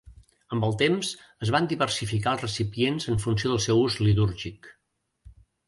Amb el temps es van diversificar els recipients en funció del seu ús litúrgic.